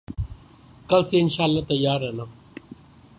کل سے ان شاءاللہ تیار رہنا